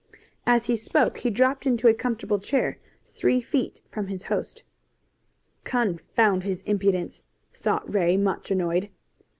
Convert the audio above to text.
As he spoke he dropped into a comfortable chair three feet from his host. "Confound his impudence!" thought Ray, much annoyed.